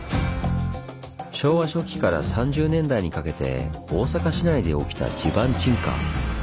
昭和初期から３０年代にかけて大阪市内で起きた地盤沈下。